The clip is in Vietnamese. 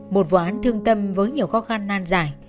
một vụ án thương tâm với nhiều khó khăn nan giải